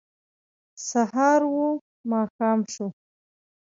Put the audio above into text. سهار و ماښام شو